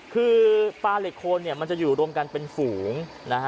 คือปลาเหล็กโคนเนี่ยมันจะอยู่รวมกันเป็นฝูงนะฮะ